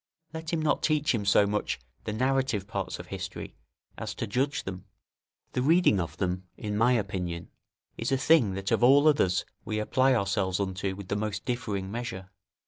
Let him not teach him so much the narrative parts of history as to judge them; the reading of them, in my opinion, is a thing that of all others we apply ourselves unto with the most differing measure.